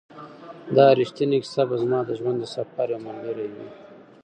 دا ریښتینې کیسه به زما د ژوند د سفر یو ملګری وي.